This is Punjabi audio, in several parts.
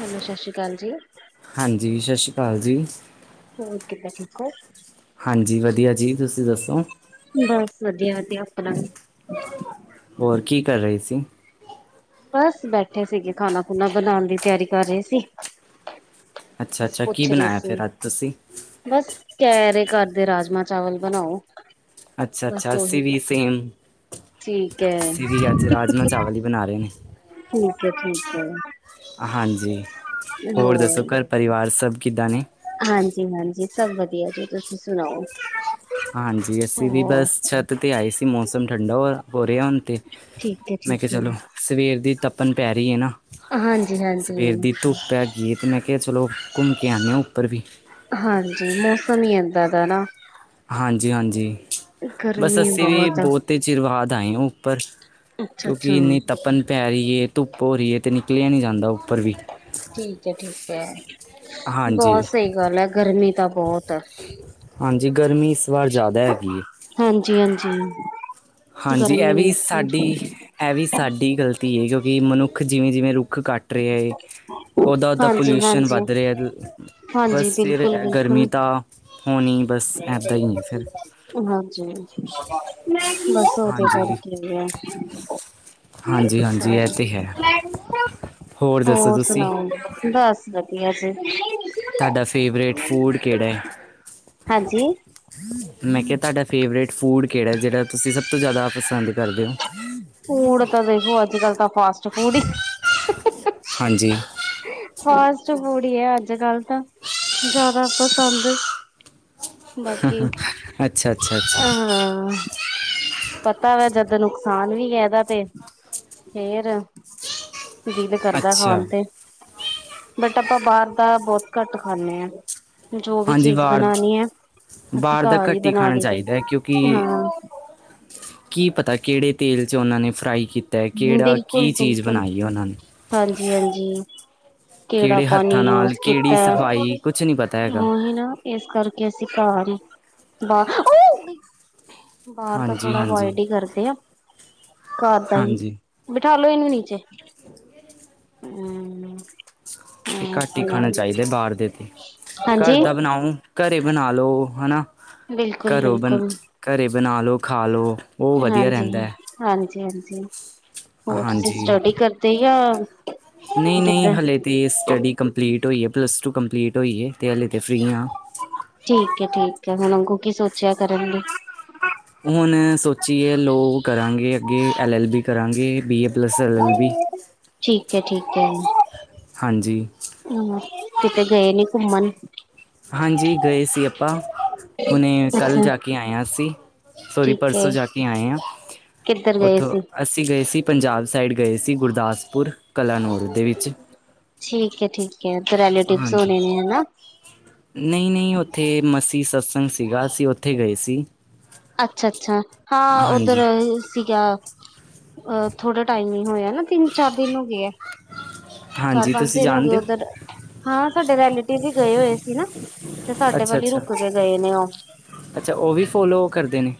ਹੈਲੋ ਸਤਿ ਸ਼੍ਰੀ ਅਕਾਲ ਜੀ ਹਾਂਜੀ, ਸ਼ਾਸ਼ੀ ਕਾਲ ਜੀ। ਹੋਰ ਕਿੱਦਾਂ, ਠੀਕ ਓ? ਹਾਂਜੀ, ਵਧੀਆ ਜੀ । ਤੁਸੀਂ ਦੱਸੋ? ਬਸ ਵਧੀਆ-ਵਧੀਆ ਆਪਣਾ। ਹੋਰ ਕੀ ਕਰ ਰਹੇ ਸੀ? ਬਸ ਬੈਠੇ ਸੀਗੇ, ਖਾਣਾ ਖੂਣਾ ਬਣਾਉਣ ਦੀ ਤਿਆਰੀ ਕਰ ਰਹੇ ਸੀ। ਅੱਛਾ ਬਸ, ਅੱਛਾ ਕੀ ਪੁੱਛ ਰਹੀ ਬਣਾਇਆ ਸੀ ਫਿਰ ਅੱਜ ਤੁਸੀਂ । ਬਸ ਕਹਿ ਰਹੇ ਘਰ ਦੇ, ਰਾਜਮਾਂਹ ਚਾਵਲ ਬਣਾਓ। ਬਸ ਅੱਛਾ-ਅੱਛਾ, ਅੱਸੀ ਉਹੀ ਵੀ ਸੇਮ। ਠੀਕ ਹੈ ਅਸੀਂ ਵੀ ਅੱਜ ਰਾਜਮਾਂ ਚਾਵਲ ਹੀ ਬਣਾ ਰਹੇ ਨੇ। ਠੀਕ ਐ- ਠੀਕ ਐ । ਹਾਂਜੀ, ਹੋਰ ਦੱਸੋ ਘਰ ਪਰਿਵਾਰ ਸਭ ਕਿੱਦਾਂ ਨੇ? ਹਾਂਜੀ- ਹਾਂਜੀ, ਸਭ ਵਧੀਆ ਜੀ । ਤੁਸੀਂ ਸੁਣਾਓ ਹਾਂਜੀ, ਅਸੀਂ ਵੀ ਹੋਰ ਬਸ ਛੱਤ ਤੇ ਆਏ ਸੀ। ਮੌਸਮ ਠੰਡਾ ਹੋਇਆ ਹੋਇ ਰਿ ਹਣ ਤੇ, ਠੀਕ ਹੈ ਮੈਂ ਕਿਹਾ ਠੀਕ ਚਲੋ ਹੈ ਸਵੇਰ ਦੀ ਤੱਪਣ ਪੈ ਰਹੀ ਏ ਨਾ। ਹਾਂਜੀ ਹਾਂਜੀ ਸਵੇਰ ਦੀ ਧੁੱਪ ਹੈੈਗੀ ਏ, ਤੇ ਮੈਂ ਕਿਹਾ ਚਲੋ ਘੁੰਮ ਕੇ ਆਨੇ ਆ ਉੱਪਰ ਵੀ। ਹਾਂਜੀ, ਮੌਸਮ ਹੀ ਇੱਦਾਂ ਦਾ ਨਾ। ਹਾਂਜੀ- ਹਾਂਜੀ, ਬਸ ਗਰਮੀ ਅਸੀਂ ਵੀ ਬਹੁਤ ਆ। ਬਹੁਤੇ ਚਿਰ ਬਾਅਦ ਆਏ ਹਾਂ ਉੱਪਰ, ਅੱਛਾ ਕਿਉੰਕਿ ਅੱਛਾ ਇੰਨੀ ਤਪਨ ਪੈ ਰਹੀ ਏ, ਧੁੱਪ ਹੋ ਰਹੀ ਏ ਤੇ ਨਿਕਲਿਆ ਨਹੀਂ ਜਾਂਦਾ ਉੱਪਰ ਵੀ। ਠੀਕ ਹੈ-ਠੀਕ ਹੈ, ਹਾਂਜੀ ਬਹੁਤ ਸਹੀ ਗੱਲ ਐ। ਗਰਮੀ ਤਾਂ ਬਹੁਤ ਹੈ। ਹਾਂਜੀ, ਗਰਮੀ ਇਸ ਵਾਰ ਜ਼ਿਆਦਾ ਹੈਗੀ ਏ । ਜੀ ਹਾਂਜੀ, ਇਹ ਵੀ ਸਾਡੀ, ਇਹ ਵੀ ਸਾਡੀ ਗ਼ਲਤੀ ਏ। ਕਿਉਂਕਿ ਮਨੁੱਖ ਜਿਵੇਂ-ਜਿਵੇਂ ਰੁੱ ਰੁੱਖ ਕੱਟ ਰਿਹਾ ਏ, ਓਦਾਂ ਓਦਾਂ ਹਾਂਜੀ ਪੋਲਿਊਸ਼ਨ ਹਾਂਜੀ ਵੱਧ ਰਿਹਾ। ਤੇ ਹਾਂਜੀ ਬਸ ਫਿਰ ਬਿਲਕੁਲ ਇਹ ਗਰਮੀ ਬਿਲਕੁਲ ਤਾਂ ਹੋਨੀ, ਬਸ ਏਦਾਂ ਹੀ ਏ ਫਿਰ। ਹਾਂਜੀ, ਬਸ ਓਦੇ ਹਾਂਜੀ ਕਰਕੇ ਹੀ ਏ। ਹਾਂਜੀ ਹਾਂਜੀ ਇਹ ਸਾਰੇ ਤੇ ਹੈ ਦੱਸੋ ਹੋਰ ਤੁਸੀਂ ਸੁਨਾਓ, ਬਸ ਵਧੀਆ ਜੀ। ਤੁਹਾਡਾ ਫੇਵਰੇਟ ਫੂਡ ਕਿਹੜਾ? ਹਾਂਜੀ ਮੈਂ ਕਿਹਾ ਤੁਹਾਡਾ ਫੇਵਰੇਟ ਫੂਡ ਕਿਹੜਾ, ਜਿਹੜਾ ਤੁਸੀਂ ਸਭ ਤੋਂ ਜ਼ਿਆਦਾ ਪਸੰਦ ਕਰਦੇ ਓ? ਫੂਡ ਤਾਂ ਦੇਖੋ, ਅੱਜ ਕੱਲ ਤਾਂ ਫਾਸਟ ਫੂਡ ਈ ਹਾਂਜੀ ਫਾਸਟ ਫੂਡ ਹੀ ਏ, ਅੱਜ ਕੱਲ ਤਾਂ। ਜ਼ਿਆਦਾ ਪਸੰਦ। ਬਾਕੀ ਅੱਛਾ- ਛਾ-ਛਾ ਅ ਪਤਾ ਵਾ, ਜਦ ਨੁਕਸਾਨ ਵੀ ਏ ਇਹਦਾ ਤੇ, ਫੇਰ ਦਿਲ ਤੇ ਕਰਦਾ ਅੱਛਾ ਖਾਨ ਤੇ। ਬਟ ਆਪਾਂ ਬਾਹਰ ਤਾਂ ਬਹੁਤ ਘੱਟ ਖਾਂਨੇ ਆ ।ਜੋ ਵੀ ਹਾਂਜੀ ਚੀਜ਼ ਬਾਹਰ ਬਨਾਣੀ ਏ ਬਾਹਰ ਦਾ ਘਟ ਈ ਖਾਣਾ ਚਾਹੀਦਾ ਕਿਉਂਕਿ। ਹਾਂ ਕੀ ਪਤਾ ਕਿਹੜੇ ਤੇਲ 'ਚ ਉਹਨਾਂ ਨੇ। ਫਰਾਈ ਕੀਤਾ ਏ ਕਿਹੜਾ ਕੀ ਬਿਲਕੁਲ ਚੀਜ਼ ਬਿਲਕੁਲ ਬਨਾਈ ਏ ਉਹਨਾਂ ਨੇ। ਹਾਂਜੀ ਹਾਂਜੀ ਕਿਹੜਾ ਕਿਹੜੇ ਪਾਣੀ ਹੱਥਾਂ ਯੂਜ ਨਾਲ ਕਿਹੜੀ ਕੀਤਾ ਸਫਾਈ ਕੁਛ ਨਹੀਂ ਪਤਾ ਹੈਗਾ। ਉਹੀ ਨਾ ਇਸ ਕਰਕੇ ਅਸੀਂ ਘਰ ਹੀ ਬਾਹਰ ਤਾਂ ਹਾਂਜੀ ਥੋੜਾ ਹਾਂਜੀ ਅਵਇਡ ਈ ਕਰਦੇ ਆ। ਘਰਦਾ ਈ। ਹਾਂਜੀ ਠਾ ਲੋੋ ਇਨੂੰ ਨੀਚੇ । ਤੇ ਘੱਟ ਹੀ ਖਾਣਾ ਚਾਹੀਦਾ ਬਾਹਰ ਦੇ ਤੇ ਘਰ ਹਾਂਜੀ ਦਾ ਬਨਾਓ। ਘਰੇ ਬਨਾ ਲਓ ਹਨਾ। ਬਿਲਕੁਲ ਘਰੋਂ ਬਨ ਬਿਲਕੁਲ ਘਰੇ ਬਨਾ ਲਓ ਖਾ ਲਓ ਉਹ ਵਧੀਆ ਹਾਂਜੀ, ਰਹਿੰਦਾ । ਹਾਂਜੀ, ਹਾਂਜੀ। ਹੋਰ ਤੁਸੀਂ ਸਟੱਡੀ ਕਰਦੇ ਯਾ । ਨਈ ਨਈ ਹਲੇ ਤੇ ਸਟੱਡੀ ਕੰਪਲੀਟ ਹੋਈ ਏ। ਪਲੱਸ ਟੂ ਕੰਪਲੀਟ ਹੋਈ ਏ ਹਲੇੇ ਤੇ ਫਰੀ ਆ। ਠੀਕ ਏ ਠੀਕ ਏ ਹੁਣ ਅੱਗੋਂ ਕੀ ਸੋਚਿਆ ਕਰਨ ਲਈ। ਹੁਨ ਸੋਚੀਏ ਲੋ ਕਰਾਂਗੇ ਅੱਗੇ ਐੱਲ ਐੱਲ ਬੀ ਕਰਾਂਗੇ ਬੀ । Plus L L B. ਅ। [inaudible] ਹਾਂਜੀ। ਕਿਤੇ ਗਏ ਨੀ ਘੁੰਮਨ। ਹਾਂਜੀ, ਗਏ ਸੀ ਆਪਾਂ। ਹੁਣੇ ਕੱਲ ਅੱਛਾ, ਜਾ ਕੇ ਆਏਆ ਅਸੀਂ। ਸੋਰੀ ਠੀਕ ਐ। ਪਰਸੋਂ ਜਾ ਕੇ ਆਏ ਹਾਂ। ਕਿੱਧਰ ਗਏ ਉੱਥੋਂ, ਸੀ? ਅਸੀਂ ਗਏ ਸੀ, ਪੰਜਾਬ ਸਾਈਡ ਗਏ ਸੀ ਗੁਰਦਾਸਪੁਰ। ਕਲਾ ਨੂਰ ਦੇ ਵਿੱਚ, ਠੀਕ ਐ, ਠੀਕ ਐ ਤੇ ਰੈਲੇਟਿਵਸ ਹਾਂਜੀ। ਹੋਣੇ ਨੇ ਹਨਾ। ਨਹੀਂ ਨਹੀਂ ਉੱਥੇ ਮਸੀ ਸਤਸੰਗ ਸੀਗਾ ਅਸੀਂ ਉੱਥੇ ਗਏ ਸੀ। ਅੱਛਾ ਅੱਛਾ ਹਾਂ ਉੱਧਰ ਹਾਂਜੀ ਸੀਗਾ। ਅਹ ਥੋੜ੍ਹਾ ਟਾਈਮ ਹੀ ਹੋਇਆ ਨਾ ਤਿੰਨ ਚਾਰ ਦਿਨ ਹੋ ਗਏ ਏ। ਚਾਰ ਹਾਂਜੀ ਪੰਜ ਤੁਸੀਂ ਦਿਨ ਹੋ ਗਏ ਜਾਣਦੇ ਉੱਧਰ ਹਾਂ ਸਾਡੇ ਰੈਲੇਟਿਵ ਵੀ ਗਏ ਹੋਏ ਸੀ ਨਾ। ਤੇ ਸਾਡੇ ਅੱਛਾ ਵਲ ਈ ਅੱਛਾ ਰੁਕ ਕੇ ਗਏ ਨੇ ਉਹ। ਅੱਛਾ ਉਹ ਵੀ ਫੋਲੋ ਕਰਦੇ। ਨੇ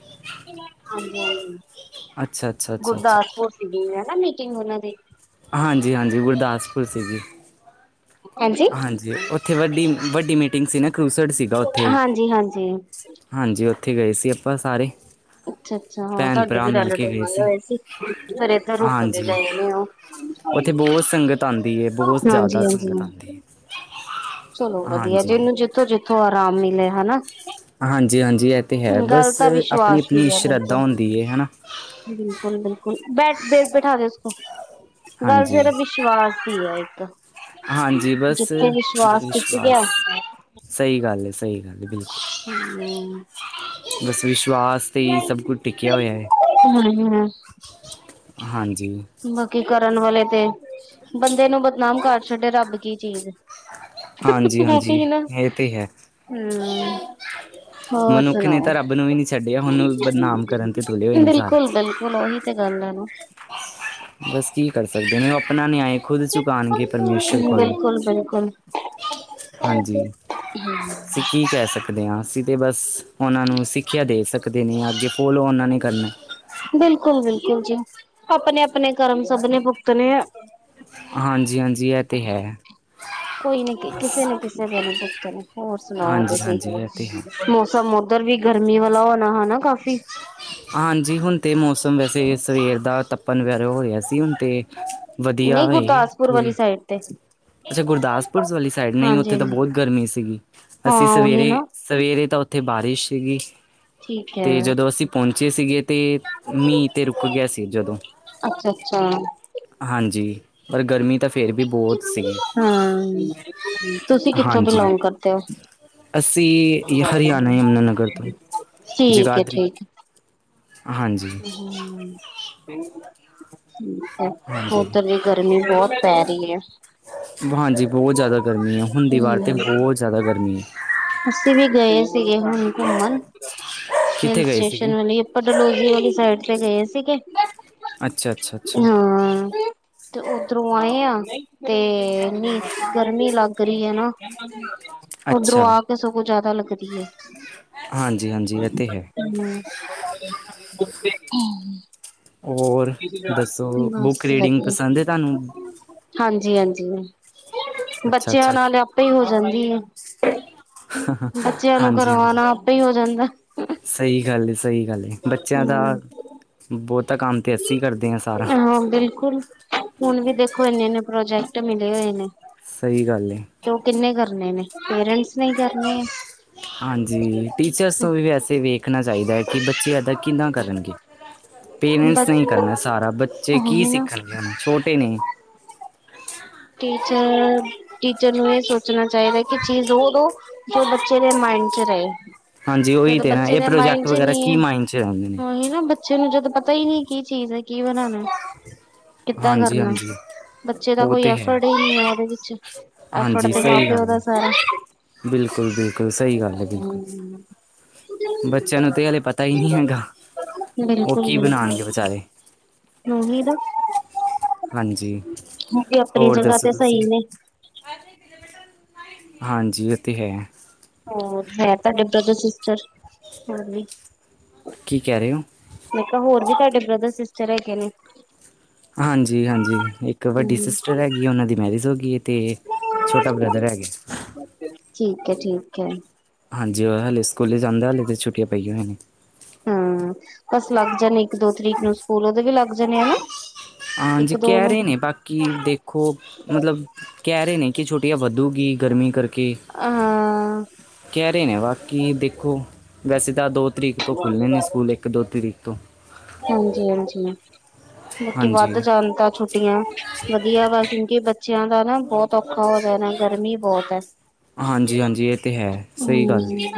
ਹਾਂਜੀ ਹਾਂਜੀ ਅੱਛਾ ਅੱਛਾ ਅੱਛਾ ਅੱਛਾ ਗੁਰਦਾਸਪੁਰ ਸੀਗੀ ਹੈਨਾ। ਤੇ ਉਹਨਾਂ ਦੇ। ਹਾਂਜੀ ਹਾਂਜੀ ਗੁਰਦਾਸਪੁਰ ਸੀ ਜੀ। ਹਾਂਜੀ ਉੱਥੇ ਵੱਡੀ ਵੱਡੀ ਮੀਟਿੰਗ ਸੀ ਨਾ। ਖੂਸੜ ਸੀਗਾ ਉੱਥੇ ਹਾਂਜੀ-ਹਾਂਜੀ ਹਾਂਜੀ ਉੱਥੇ ਗਏ ਸੀ ਆਪਾਂ ਸਾਰੇ। ਅੱਛਾ-ਅੱਛਾ ਹਾਂ ਭੈਣ ਤੁਹਾਡੇ ਭਰਾ ਵੀ ਮਿਲ ਕੇ ਰੈਲੇਟਿਵ ਗਏ ਆਏ ਹੋਏ ਸੀ ਘਰੇ ਤੇ ਰੁਕ ਕੇ ਹਾਂਜੀ ਗਏ ਨੇ ਉਹ। ਉੱਥੇ ਬਹੁਤ ਸੰਗਤ ਆਂਦੀ ਏ ਬਹੁਤ ਜ਼ਿਆਦਾ ਹਾਂਜੀ-ਹਾਂਜੀ। ਸੰਗਤ ਆਂਦੀ ਏ। ਚਲੋ ਵਧੀਆ ਜਿਹਨੂੰ ਜਿੱਥੋਂ ਜਿੱਥੋਂ ਅਰਾਮ ਮਿਲੇ ਹੈਨਾ। ਹਾਂਜੀ ਹਾਂਜੀ ਇਹ ਤੇ ਹੈ ਬਸ ਤਾਂ ਅਪਨੀ ਵਿਸ਼ਵਾਸ ਦੀ ਅਪਣੀ ਹੈ ਸ਼ਰਧਾ ਹੁੰਦੀ ਏ ਹੈਨਾ। ਬਿਲਕੁਲ ਬਿਲਕੁਲ। ਬੈਠ ਤੇ, ਬੈਠਾ ਦੇ ਉਸਕੋ। ਗੱਲ ਹਾਂਜੀ ਸਰਾ ਵਿਸ਼ਵਾਸ ਦੀ ਹੈ, ਇੱਕ। ਹਾਂਜੀ ਜਿੱਥੇ ਵਿਸ਼ਵਾਸ। ਟਿਕ ਗਿਆ ਬਸ, ਸਹੀ ਗੱਲ ਹੈ ਸਹੀ ਗੱਲ ਹੈ। ਬਿਲਕੁਲ ਹੂੰ। ਬਸ ਵਿਸ਼ਵਾਸ ਤੇ ਹੀ ਸਭ ਕੁਝ ਟਿਕਿਆ ਹਾਜੀਂ, ਹੋਇਆ ਹੈ ਹਾ। ਹਾਂਜੀ। ਬਾਕੀ ਕਰਨ ਵਾਲੇ ਤੇ, ਬੰਦੇ ਨੂੰ ਬਦਨਾਮ ਕਰ ਛੱਡੇ। ਰੱਬ ਕੀ ਚੀਜ਼ ਹੈ। ਹਾਂਜੀ ਰੋਟੀ ਹਾਂਜੀ ਸੀ ਨਾ ਇਹ ਤੇ ਹੈ ਹੂੰ। ਹੋਰ ਮਨੁੱਖ ਨੇ ਸੁਣਾਓ? ਤਾਂ ਰੱਬ ਨੂੰ ਵੀ ਨਹੀਂ ਛੱਡਿਆ ਹੁਣ ਉਹ ਬਦਨਾਮ ਕਰਨ ਤੇ ਤੁਲੇ ਹੋਏ ਨੇ ਸਾਰੇ ਬਿਲਕੁਲ-ਬਿਲਕੁਲ ਉਹੀ ਤੇ। ਗੱਲ ਹੈ ਨਾ। ਬਸ, ਕੀ ਕਰ ਸਕਦੇ ਆਪ। ਆਪਣਾ [unintelligible] ਨਿਆਂਏ ਖੁਦ ਚੁਕਾਉਣਗੇ ਪਰਮੇਸ਼ੁਰ ਕੋਲੋਂ। ਬਿਲਕੁਲ ਬਿਲਕੁਲ ਬਿਲਕੁਲ ਹਾਂਜੀ ਅਸੀਂ ਕੀ ਕਹਿ ਸਕਦੇ ਹਾਂ। ਤੇ ਬਸ ਉਹਨਾਂ ਨੂੰ ਸਿੱਖਿਆ ਦੇ ਸਕਦੇ ਨੇ ਅਗੇ ਫੋਲੋ ਉਹਨਾਂ ਨੇ ਕਰਨਾ। ਬਿਲਕੁਲ ਬਿਲਕੁਲ ਜੀ ਆਪਣੇ ਆਪਣੇ ਕਰਮ ਸਭ ਨੇ ਭੁਗਤਣੇ ਆ। ਹਾਂਜੀ ਹਾਂਜੀ ਇਹ ਤੇ ਹੈ ਕੋਈ ਨੀ ਬਸ ਕਿਸੇ ਨੇ ਕਿਸੇ ਦੇ ਨੁ। ਹੋਰ ਸੁਣਾਓ ਹਾਂਜੀ ਤੁਸੀਂ ਹਾਂਜੀ ਇਹ ਤੇ ਹੈ ਮੌਸਮ ਉਧਰ ਵੀ ਗਰਮੀ ਵਾਲਾ ਹੋਣਾ ਹਨਾ। ਕਾਫ਼ੀ ਹਾਂਜੀ ਹੁਣ। ਅਤੇ ਮੌਸਮ ਵੈਸੇ ਸਵੇਰ ਦਾ ਤੱਪਣ ਵਰਾ ਹੋ ਰਿਹਾ ਸੀ ਹੁਣ ਅਤੇ ਵਧੀਆ ਨਹੀਂ ਗੁਰਦਾਸਪੁਰ ਵਾਲੀ ਥੋੜ੍ਹੀ। ਸਾਈਡ ਤੇ ਅੱਛਾ ਗੁਰਦਾਸਪੁਰ ਵਾਲੀ ਸਾਈਡ ਨਹੀਂ ਹਾਂਜੀ ਉੱਥੇ ਤਾਂ ਹਾਂਜੀ ਬਹੁਤ ਗਰਮੀ ਸੀਗੀ ਅਸੀਂ ਹਾਂ ਉਹੀ ਸਵੇਰੇ ਨਾ ਸਵੇ। ਤਾਂ ਉੱਥੇ ਬਾਰਿਸ਼ ਸੀਗੀ ਠੀਕ ਤੇ ਹੈ ਜਦੋਂ ਅਸੀਂ ਪਹੁੰ ਬੱਚੇ ਸੀਗੇ ਤੇ ਮੀਂਹ ਤੇ ਰੁਕ ਗਿਆ ਸੀ ਜਦੋਂ। ਅੱਛਾ-ਅੱਛਾ। ਹਾਂਜੀ ਪਰ ਗਰਮੀ। ਪਾ ਕੇ ਇਹਨੂੰ ਦਬਾ ਕੇ ਤੁਸੀਂ ਬਹੁਤ ਕਿੱਥੋਂ ਸੀ ਤੇ ਉਹਨੇ ਗਲਤੀ ਕਰਨੀ ਉ ਬਿਲੋਂਗ ਕਰਦੇ ਹੋ? [unintelligible] ਅਸੀ ਹਰਿਆਣਾ ਯਮੁਨਾਨਗਰ ਤੋਂ। ਜਗਾਦਰੀ। ਹਾਂਜੀ ਹ ਹਮ ਹ। ਹਾਂਜੀ ਉੱਧਰ ਵੀ ਗਰਮੀ ਬਹੁਤ ਪੈ ਰਹੀ ਹੈ। ਹਾਂਜੀ ਬਹੁਤ ਜ਼ਿਆਦਾ ਗਰਮੀ ਹੈ ਹੁੰਦੀ ਵਾਰ ਤਾਂ ਹੂੰ, ਬਹੁਤ ਜ਼ਿਆਦਾ ਗਰਮੀ ਹੈ। ਅਸੀਂ ਵੀ ਗਏ ਸੀਗੇ ਹੁਣ ਘੁੰਮਣ ਹਿਲ ਕਿੱਥੇ ਗਏ ਸਟੇਸ਼ਨ ਸੀਗੇ ਵਾਲੇ। ਲੀ ਸਾਈਡ ਤੇ ਗਏ ਸੀਗੇ। ਅੱਛਾ ਅੱਛਾ ਅੱਛਾ ਹਾਂ ਤੇ ਉਧਰੋਂ ਆਏ ਆ। ਤੇ ਇਨੀ ਗਰਮੀ ਲੱਗ ਰਹੀ ਹੈ। ਨਾ ਓਧਰੋਂ ਅੱਛਾ ਆ ਕੇ ਸਗੋਂ। ਜ਼ਿਆਦਾ ਲੱਗਦੀ ਹੈ। ਹਾਂਜੀ ਹਾਂਜੀ ਇਹ ਤੇ ਹੈ ਹੂੰ [inaudible] ਹੋਰ ਦੱਸੋ ਬਸ ਬੁੱਕ ਰੀਡਿੰਗ ਪਸੰਦ ਹੈ ਤੁਹਾਨੂੰ ਵਧੀਆ, ਹਾਂਜੀ-ਹਾਂਜੀ। ਅੱਛਾ ਬੱਚਿਆਂ ਅੱਛਾ ਨਾਲ ਆਪੇ ਹੀ ਹੋ ਜਾਂਦੀ ਆ। ਬੱਚਿਆਂ ਨੂੰ ਹਾਂਜੀ ਹਾਂਜੀ ਕਰਵਾਉਣਾ ਆਪੇ ਹੀ ਹੋ ਜਾਂਦਾ। ਸਹੀ ਗੱਲ ਏ ਸਹੀ ਗੱਲ ਏ ਬੱਚਿਆਂ ਹੂੰ। ਦਾ, ਬਹੁਤ ਹਾਂ ਬਿਲਕੁਲ, ਹੁਣ ਵੀ ਦੇਖੋ ਇੰਨੇ-ਇੰਨੇ ਪ੍ਰੋਜੈਕਟ [unintelligible] ਮਿਲੇ ਹੋਏ ਨੇ, ਸਹੀ ਗੱਲ ਹੈ ਤੇ ਉਹ ਕਿੰਨੇ ਕਰਨੇ ਨੇ ਪੇਰੈਂਟਸ ਨੇ ਕਰਨੇ ਆ। ਹਾਂਜੀ ਟੀਚਰਸ ਨੂੰ ਵੀ ਵੈਸੇ ਵੇਖਣਾ ਚਾਹੀਦਾ ਹੈ ਕਿ ਬੱਚੇ ਇੱਦਾਂ ਕਿੱਦਾਂ ਕਰਨਗੇ। ਬ ਪੇਰੈਂਟਸ ਨੇ ਹੀ ਕਰਨਾ ਸਾਰਾ ਬੱਚੇ ਕੀ ਉਹੀ ਨਾ ਸਿੱਖਣਗੇ ਛੋਟੇ ਨੇ। ਟੀਚਰ, ਟੀਚਰ ਨੂੰ ਇਹ ਸੋਚਣਾ ਚਾਹੀਦਾ ਕਿ ਚੀਜ਼ ਹੋ ਦੋ ਜੋ ਬੱਚੇ ਦੇ ਮਾ ਮਾਇੰਡ 'ਚ ਰਹੇ, ਹਾਂਜੀ ਉਹੀ ਜਦੋਂ ਤੇ ਨਾ ਬੱਚੇ ਇਹ ਦੇ ਮਾਇੰਡ ਪ੍ਰੋਜੈਕਟ 'ਚ ਵਗੈਰਾ ਨਹੀ ਕੀ ਆ ਮਾਇੰਡ 'ਚ ਰਹਿੰਦੇ ਨੇ ਆਹੀ ਨਾ ਬੱਚੇ ਨੂੰ ਜਦੋਂ ਪਤਾ ਹੀ ਨਹੀਂ ਕੀ ਚੀਜ਼ ਹੈ ਕੀ ਬਨਾਨਾ। ਕਿੱਦਾਂ ਹਾਂਜੀ ਕਰਨਾ, ਹਾਂਜੀ ਬੱਚੇ ਦਾ ਉਹ ਕੋਈ ਤੇ ਐਫ ਹੈ [unintelligible] ਉਹਦੇ ਵਿੱਚ, ਐਫਟ ਹਾਂਜੀ ਤੇ ਮਾ ਸਹੀ ਪਿਓ ਗੱਲ ਦਾ ਹੈ ਸਾਰਾ। ਬਿਲਕੁਲ ਬਿਲਕੁਲ ਸਹੀ ਗੱਲ ਹੈ ਬਿਲਕੁਲ। ਬੱਚਿਆਂ ਨੂੰ ਤੇ ਹਲੇ ਪਤਾ ਹੀ ਨਹੀਂ ਹੈਗਾ ਉਹ ਕੀ ਬਿਲਕੁਲ-ਬਿਲਕੁਲ। ਬਣਾਉਣਗੇ [unintelligible] ਵਿਚਾਰੇ ਹਾਂਜੀ ਉਹ ਵੀ ਆਪਣੀ ਹੋਰ ਜਗ੍ਹਾ ਦੱਸੋ ਤੇ ਤੁਸੀਂ ਸਹੀ ਨੇ। ਹਾਂਜੀ ਉਹ ਤੇ ਹੈ। ਔਰ ਹੈ ਤੁਹਾਡੇ ਬ੍ਰਦਰ ਸਿਸਟਰ, ਹੋਰ ਵੀ? ਕੀ ਕਹਿ ਰਹੇ ਹੋ ਮੈਂ ਕਿਹਾ ਹੋਰ ਵੀ ਤੁਹਾਡੇ ਬ੍ਰਦਰ-ਸਿਸਟਰ ਹੈਗੇ ਨੇ? ਹਾਂਜੀ-ਹਾਂਜੀ, ਇੱਕ ਵੱਡੀ ਹਮ ਸਿਸਟਰ ਹੈਗੀ ਉਹਨਾਂ ਦੀ ਮੈਰਿਜ ਹੋ ਗਈ। ਤੇ, ਛੋਟਾ ਬ੍ਰਦਰ ਹੈਗੇ। ਠੀਕ ਹੈ ਠੀਕ ਐ। ਹਾਂਜੀ ਉਹ ਹਾਲੇ ਸਕੂਲ ਹੀ ਜਾਂਦਾ ਹਲੇ ਤਾਂ ਛੁੱਟੀਆਂ ਪਈਆਂ ਹੋਈਆਂ ਨੇ। ਹਾਂ ਬਸ ਲੱਗ ਜਾਣੇ ਇੱਕ-ਦੋ ਤਰੀਕ ਨੂੰ ਸਕੂਲ ਉਹਦੇ ਵੀ ਲੱਗ ਜਾਣੇ ਹਨਾ। ਹਾਂਜੀ, ਇੱਕ ਦੋ ਕਹਿ ਨੂੰ ਰਹੇ ਨੇ ਬਾਕੀ ਦੇਖੋ, ਮਤਲਬ ਕਹਿ ਰਹੇ ਨੇ। ਕਿ ਛੋਟੀਆਂ ਵੱਦੂਗੀ, ਗਰਮੀ ਕਰਕੇ। ਹਾਂ ਕੇ ਰੇ ਨੇ ਬਾਕੀ ਦੇਖੋ। ਵੈਸੇ ਤਾਂ ਦੋ ਤਰੀਕ ਤੋਂ, ਖੁੱਲਨੇ ਨੇ ਸਕੂਲ ਇੱਕ, ਦੋ ਤਰੀਕ ਤੋਂ। ਹਾਂਜੀ- ਹਾਂਜੀ। ਬਾਕੀ ਹਾਂਜੀ ਵੱਧ ਜਾਣ ਤਾ ਛੁੱਟੀਆਂ, ਵਧੀਆ ਵਾ ਕਿਉਂਕਿ, ਬੱਚਿਆਂ ਦਾ ਨਾ, ਬਹੁਤ ਔਖਾ ਹੋ ਜਾਏਣਾ, ਗਰਮੀ ਬਹੁਤ ਹੈ। ਹਾਂਜੀ- ਹਾਂਜੀ। ਇਹ ਤੇ ਹੈ। ਸਹੀ ਗੱਲ ਹੈ।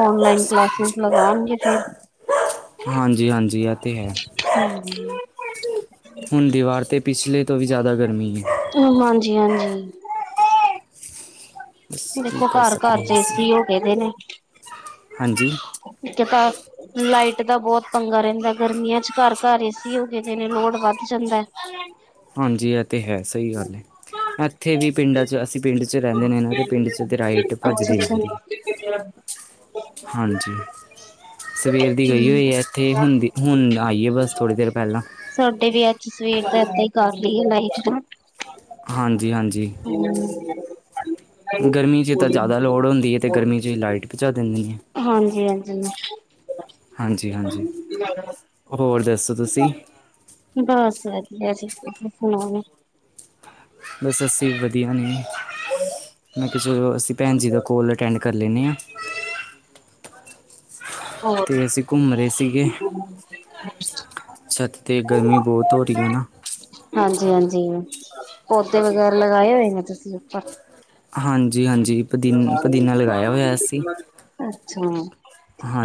ਓਨਲਾਈਨ ਕਲਾਸਿਸ ਲਗਾਉਣਗੇ ਫੇਰ। ਹਾਂਜੀ ਹਾਂਜੀ ਇਹ ਤੇ ਹੈ ਹੂੰ। ਹੁਣ ਦੀ ਵਾਰ ਤੇ, ਪਿਛਲੇ ਤੋਂ ਵੀ ਜ਼ਿਆਦਾ ਗਰਮੀ ਹੈ। ਹਾਂਜੀ- ਹਾਂਜੀ। ਬਸ ਕੀ ਦੇਖੋ, ਕਰ ਘਰ- ਘਰ ਸਕਦੇ ਚ, ਹਾਂ ਏ ਅਸੀਂ ਸੀ ਹੋ ਗਏ ਨੇ, ਨੇ। ਹਾਂਜੀ ਇੱਕ ਤਾਂ, ਲਾਈਟ ਦਾ ਬਹੁਤ। ਪੰਗਾ ਰਹਿੰਦਾ, ਗਰਮੀਆਂ ਚ ਘਰ- ਘਰ, ਏ ਸੀ ਹੋ ਗਏ ਨੇ, ਲੋੜ ਵੱਧ ਜਾਂਦਾ। ਹਾਂਜੀ, ਇਹ ਤੇ ਹੈ। ਸਹੀ ਗੱਲ ਹੈ। ਇੱਥੇ ਵੀ ਪਿੰਡਾਂ ਚ, ਅਸੀਂ ਪਿੰਡ ਚ ਰਹਿੰਦੇ ਨੇ ਨਾ। ਤੇ ਪਿੰਡ ਚ ਤੇ ਲਾਈਟ ਅੱਛਾ ਭੱਜਦੀ ਅੱਛਾ ਰਹਿੰਦੀ। ਹਾਂਜੀ। ਸਵੇਰ ਦੀ ਗਈ ਹੋਈ ਹੈ ਇੱਥੇ ਹੁੰਦੀ ਹੁਣ ਆਈ ਹੈ ਬੱਸ ਥੋੜ੍ਹੀ ਦੇਰ ਪਹਿਲਾਂ। ਸਾਡੇ ਵੀ ਅੱਜ ਸਵੇਰ ਇਏਦਾਂ ਹੀ ਕਰ ਲਈ ਆ ਲਾਈ ਹਾਂਜੀ ਹਾਂਜੀ। ਗਰਮੀ ਚ ਤਾਂ ਜ਼ਿਆਦਾ ਲੋੜ ਹੁੰਦੀ ਹੈ ਤੇ ਗਰਮੀ ਚ ਲਾਈਟ ਭਜਾ ਦਿੰਦੇ ਨੇ। ਹਾਂਜੀ ਹਾਂਜੀ। ਹਾਂਜੀ- ਹਾਂਜੀ, ਹੋਰ ਦੱਸ- ਬਸ ਵਧੀਆ ਜੀ। ਤੁਸੀਂ ਸੁਣਾਓ? ਬਸ, ਅਸੀਂ ਵੀ ਵਧੀਆ ਨੇ। ਮੈਂ ਕਿਹਾ ਚਲੋ, ਅਸੀਂ ਭੈਣ ਜੀ ਦਾ ਕੋਲ ਅਟੈਂਡ ਕਰ ਲੈਂਦੇ ਹਾਂ। ਹੋਰ। ਅਤੇ ਅਸੀਂ ਘੁੰਮ ਰਹੇ ਸੀਗੇ ਛੱਤ ਤੇ ਗਰਮੀ ਬਹੁਤ ਹੋ, ਰਹੀ ਹੈ ਨਾ। ਹਾਂਜੀ, ਹਾਂਜੀ। ਪੌਦੇ ਵਗੈਰਾ ਲਗਾਏ ਹੋਏ ਨੇ? ਤੁਸੀਂ ਉੱਪਰ। ਹਾਂਜੀ ਹਾਂਜੀ ਪੁਦੀਨ ਪੁਦੀਨਾ ਲਗਾਇਆ ਹੋਇਆ ਅਸੀਂ ਅੱਛਾ।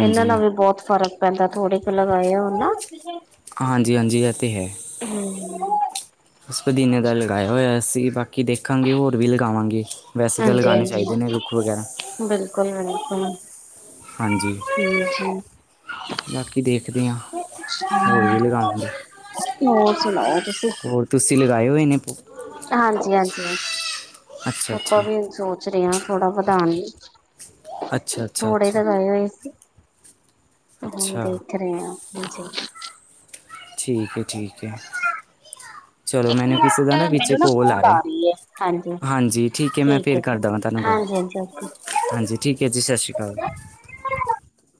ਇਹਨਾਂ ਨਾਲ ਵੀ ਬਹੁਤ ਫਰਕ ਪੈਂਦਾ। ਥੋੜੇ ਕੁ ਲਗਾਏ ਹੋਨ ਨਾ। ਹਾਂਜੀ- ਹਾਂਜੀ, ਇਹ ਤਾਂ ਹੈ। ਹੂੰ। ਬਸ, ਪਦੀਨੇ ਦਾ ਲਗਾਇਆ ਹੋਇਆ ਸੀਂ। ਬਾਕੀ ਦੇਖਾਂਗੇ ਹੋਰ ਵੀ ਲਗਾਵਾਂਗੇ। ਵੈਸੇ, ਤਾਂ ਹਾਂਜੀ ਲਗਾਉਣੇ ਹਾਂਜੀ ਚਾਹੀਦੇ ਨੇ, ਰੁੱਖ ਵਗੈਰਾ। ਹਾਂਜੀ ਠੀ- ਠੀ ਬਾਕੀ, ਦੇਖਦੇ ਆ। ਹੋਰ ਵੀ ਲਗਾਵਾਗੇ। ਹੋਰ ਸੁਣਾਓ ਤੁਸੀਂ? ਗਾਏ ਓਏ ਨੇ। ਹਾਂਜੀ ਹਾਂਜੀ ਅੱਛਾ ਆਪਾਂ ਅੱਛਾ ਵੀ ਸੋਚ ਰਹੇ ਹਾਂ ਥੋੜਾ ਵਧਾਉਣ। ਅੱਛਾ ਅੱਛਾ ਥੋੜੇ ਅੱਛਾ ਜੈ ਗਏ ਹੋਏ ਸੀ। ਅੱਛਾ ਦੇਖ ਰਹੇ ਆ । ਠੀਕ ਹੈ ਠੀਕ ਹੈ। ਚਲੋ ਮੈਨੂੰ ਕਿਸੇ ਦਾ ਨਾ ਵਿੱਚ ਕੋਲ ਆ ਰਿਹਾ ਹਾਂਜੀ ਠੀਕ ਹੈ ਮੈਂ ਫੇਰ ਹੈ ਕਰਦਾਵਾਂ ਤੁਹਾਨੂੰ ਗੱਲ। ਜੀ ਹਾਂਜੀ ਹਾਂਜੀ । ਹਾਂਜੀ ਠੀਕ ਹੈ ਜੀ ਸਤਿ ਸ਼੍ਰੀ ਅਕਾਲ। [unintelligible]